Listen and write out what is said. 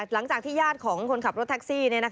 หลังจากที่ญาติของคนขับรถแท็กซี่